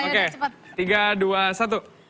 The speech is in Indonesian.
ganti ganti ya berarti